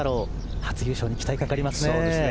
初優勝に期待かかりますね。